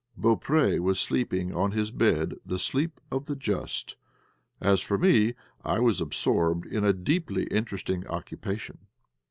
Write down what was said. Beaupré was sleeping on his bed the sleep of the just. As for me, I was absorbed in a deeply interesting occupation.